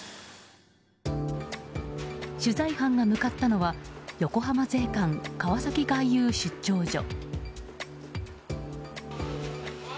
取材班が向かったのは横浜税関川崎外郵出張所。